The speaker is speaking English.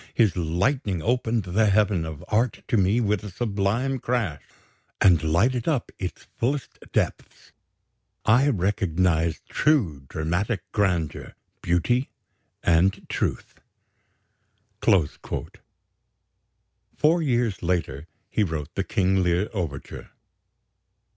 His lightning opened the heaven of art to me with a sublime crash, and lighted up its fullest depths. I recognized true dramatic grandeur, beauty, and truth." Four years later he wrote the "King Lear" overture.